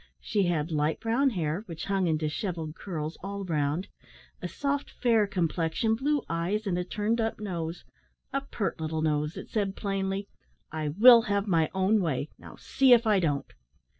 She had light brown hair, which hung in dishevelled curls all round, a soft fair complexion, blue eyes, and a turned up nose a pert little nose that said plainly, "I will have my own way; now see if I don't."